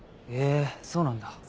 へぇそうなんだ。